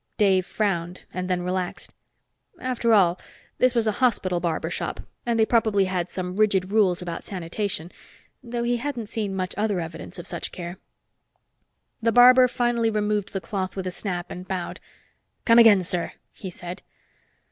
Dave frowned, and then relaxed. After all, this was a hospital barber shop, and they probably had some rigid rules about sanitation, though he hadn't seen much other evidence of such care. The barber finally removed the cloth with a snap and bowed. "Come again, sir," he said.